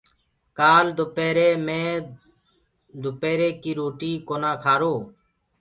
ڪآل دُپيري مي دُپري ڪي روٽي ڪونآ کآرو۔